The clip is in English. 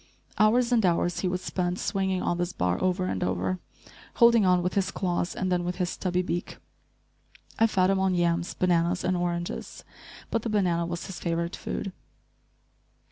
Hours and hours he would spend, swinging on this bar over and over, holding on with his claws, and then with his stubby beak. I fed him on yams, bananas and oranges, but the banana was his favorite food.